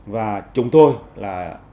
và chúng tôi là